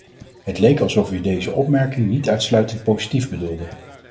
Het leek alsof u deze opmerking niet uitsluitend positief bedoelde.